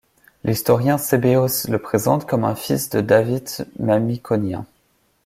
L'historien Sébéos le présente comme un fils de Davith Mamikonian.